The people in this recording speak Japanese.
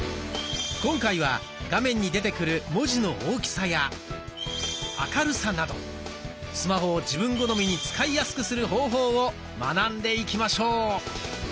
今回は画面に出てくる文字の大きさや明るさなどスマホを自分好みに使いやすくする方法を学んでいきましょう。